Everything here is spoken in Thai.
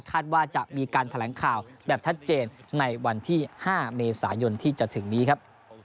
ว่าจะมีการแถลงข่าวแบบชัดเจนในวันที่๕เมษายนที่จะถึงนี้ครับ